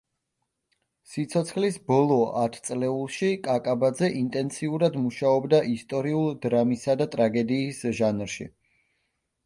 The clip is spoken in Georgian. სიცოცხლის ბოლო ათწლეულში კაკაბაძე ინტენსიურად მუშაობდა ისტორიულ დრამისა და ტრაგედიის ჟანრში.